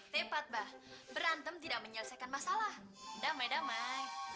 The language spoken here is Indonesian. tepat bah berantem tidak menyelesaikan masalah damai damai